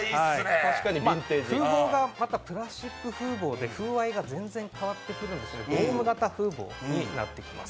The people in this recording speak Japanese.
風防がまたプラスチック風防で、風合いが全然変わってくるんです、ドーム型風防になってくるんです